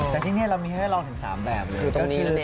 แต่ที่นี่เรามีให้ลองถึง๓แบบเลย